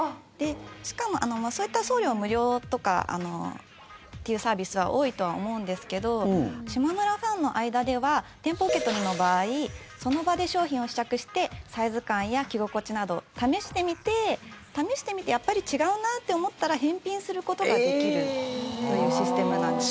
しかも、そういった送料無料とかっていうサービスは多いとは思うんですけどしまむらファンの間では店舗受け取りの場合その場で商品を試着してサイズ感や着心地などを試してみて試してみてやっぱり違うなって思ったら返品することができるというシステムなんです。